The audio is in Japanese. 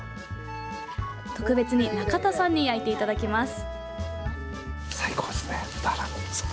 特別に仲田さんに焼いていただきます。